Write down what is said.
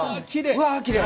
うわきれい！